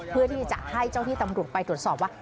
เพื่อที่จะให้เจ้าที่ตำรวจไปตรวจสอบว่า